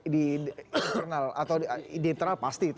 di internal atau di internal pasti